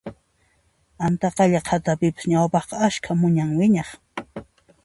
Antaqalla qhatapipas ñawpaqqa ashka muña wiñaq